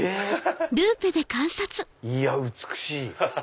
いや美しい。